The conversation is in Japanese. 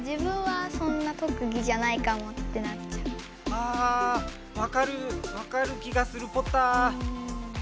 あわかるわかる気がするポタ。